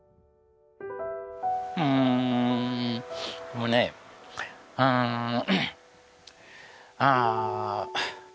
うーんもうねうーんああ。